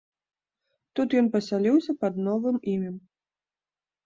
Тут ён пасяліўся пад новым імем.